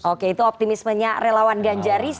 oke itu optimismenya relawan ganjaris